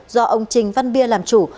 do ông trình văn bia làm chủ